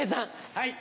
はい。